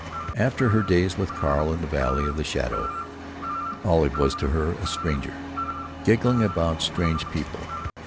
After her days with Carl in the valley of the shadow, Olive was to her a stranger giggling about strange people.